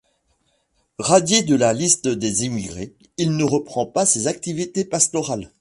Radié de la liste des émigrés, il ne reprend pas ses activités pastorales.